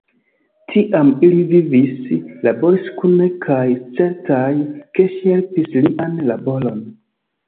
Tiam ili vivis, laboris kune kaj certas, ke ŝi helpis lian laboron.